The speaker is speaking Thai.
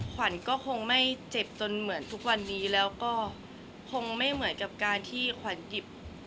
ขวัญก็คงไม่เจ็บจนเหมือนทุกวันนี้แล้วก็คงไม่เหมือนกับการที่ขวัญหยิบ